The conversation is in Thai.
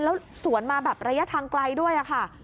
แล้วสวนมาแบบระยะทางไกลด้วยค่ะ